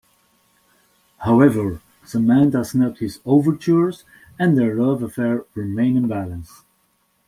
However, Samantha snubbed his overtures and their love affair remained in balance.